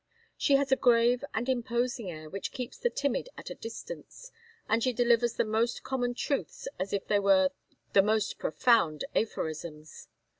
She has a grave and imposing air, which keeps the timid at a distance; and she delivers the most common truths as if they were the most profound aphorisms.